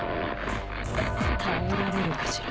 耐えられるかしら。